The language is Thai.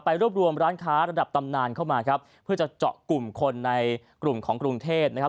รวบรวมร้านค้าระดับตำนานเข้ามาครับเพื่อจะเจาะกลุ่มคนในกลุ่มของกรุงเทพนะครับ